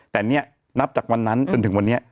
แต่นี่นับจากวันนั้นจนถึงวันนี้